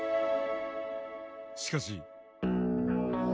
しかし。